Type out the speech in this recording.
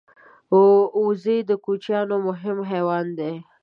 وزې د کوچیانو مهم حیوان دی